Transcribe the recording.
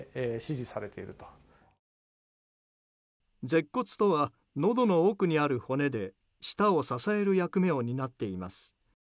舌骨とは、のどの奥にある骨で舌を支える役目を担っています。